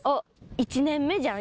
１年目じゃん？